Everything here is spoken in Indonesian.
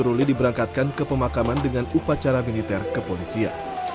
ruli diberangkatkan ke pemakaman dengan upacara militer ke polisi ya